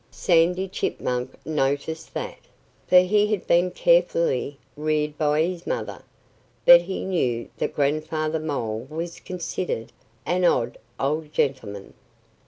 Sandy Chipmunk noticed that, for he had been carefully reared by his mother. But he knew that Grandfather Mole was considered an odd old gentleman.